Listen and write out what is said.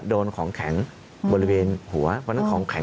โดนของแข็งบริเวณหัวเพราะฉะนั้นของแข็ง